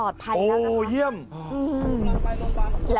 สาธุฟังแม่